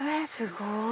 すごい！